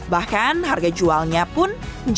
bahkan harga jualnya pun menjadi kelas menengah